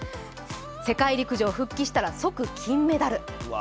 世界陸上復帰したら即金メダル。